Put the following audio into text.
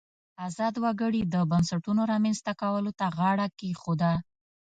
ازاد وګړي د بنسټونو رامنځته کولو ته غاړه کېښوده.